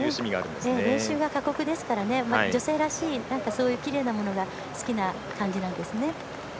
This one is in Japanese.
練習が過酷ですから女性らしいきれいなものが好きな感じなんですね。